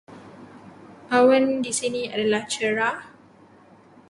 Awan di sini adalah cerah.